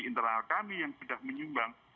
internal kami yang sudah menyumbang